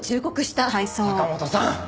坂本さん！